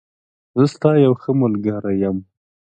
زه ستا یوښه ملګری یم.